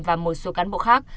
và một số cán bộ khác